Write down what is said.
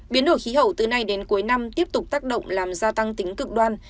biến đổi khí hậu từ nay đến cuối năm tiếp tục tác động làm gia tăng tính cực đoan